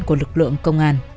của lực lượng công an